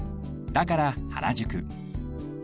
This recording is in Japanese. だから原宿